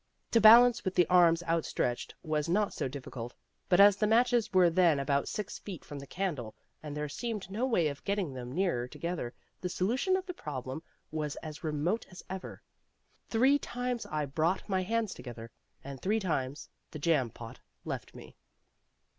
To balance with the arms outstretched was not so difficult; but as the matches were then about six feet from the candle and there seemed no way of getting them nearer together the solution of the problem was as remote as ever. Three times I brought my hands together, and three times the jam pot left me.